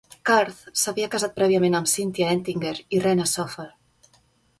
Kurth s"havia casat prèviament amb Cynthia Ettinger i Rena Sofer.